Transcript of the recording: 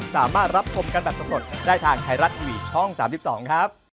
สามารถรับชมกันแบบสำรวจได้ทางไทยรัฐทีวีช่อง๓๒ครับ